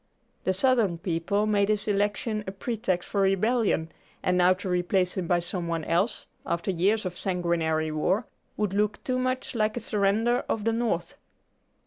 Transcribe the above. The Southern people made his election a pretext for rebellion, and now to replace him by some one else, after years of sanguinary war, would look too much like a surrender of the North.